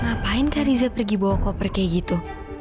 ngapain kak riza pergi bawa koper kayak gitu